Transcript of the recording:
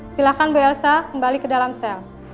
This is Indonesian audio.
silahkan bu elsa kembali ke dalam sel